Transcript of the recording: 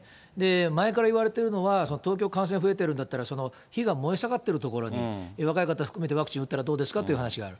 前から言われてるのは、東京が感染が増えてるんだったら、火が燃え盛っている所に、若い方含めてワクチン打ったらどうですか？という話がある。